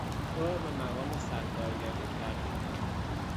او را به مقام سرکارگری ترفیع دادند.